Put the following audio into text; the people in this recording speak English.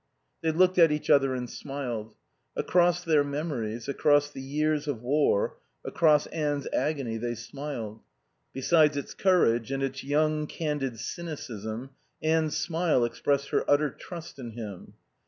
They looked at each other and smiled. Across their memories, across the years of war, across Anne's agony they smiled. Besides its courage and its young, candid cynicism, Anne's smile expressed her utter trust in him.